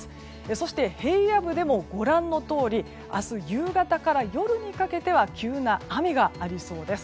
そして、平野部でもご覧のとおり明日夕方から夜にかけては急な雨がありそうです。